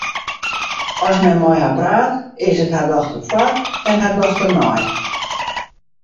As men mei har praat, is it har dochter foar en har dochter nei.